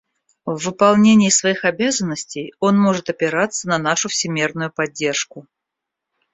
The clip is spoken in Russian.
В выполнении своих обязанностей он может опираться на нашу всемерную поддержку.